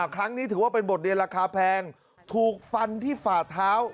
ครั้งนี้ถือว่าเป็นบทเรียนราคาแพงถูกฟันที่ฝ่าเท้า